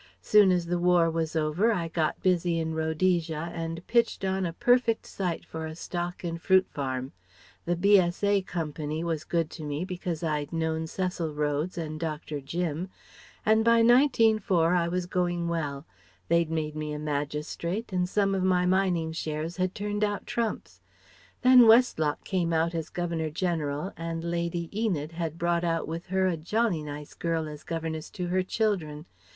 Soon as the war was over, I got busy in Rhodesia and pitched on a perfect site for a stock and fruit farm. The B.S.A. Co. was good to me because I'd known Cecil Rhodes and Dr. Jim; and by nineteen four I was going well, they'd made me a magistrate, and some of my mining shares had turned out trumps. Then Westlock came out as Governor General, and Lady Enid had brought out with her a jolly nice girl as governess to her children.